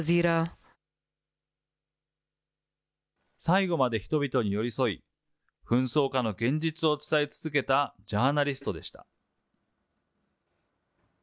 最期まで人々に寄り添い、紛争下の現実を伝え続けたジャーナリストでした。